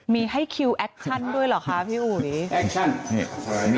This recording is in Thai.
มีให้คิวแอคชั่นด้วยเหรอคะพี่อุ๋ย